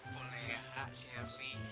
boleh ya kak sherly